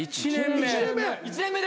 １年目？